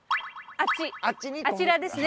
あちらですね。